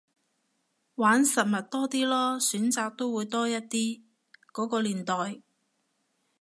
玩實物多啲囉，選擇都會多一啲，嗰個年代